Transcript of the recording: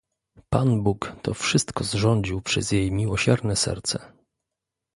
"Pan Bóg to wszystko zrządził przez jej miłosierne serce."